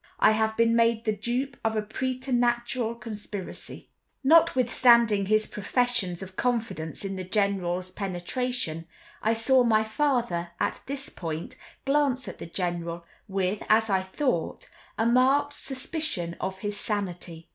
I have been made the dupe of a preternatural conspiracy." Notwithstanding his professions of confidence in the General's penetration, I saw my father, at this point, glance at the General, with, as I thought, a marked suspicion of his sanity.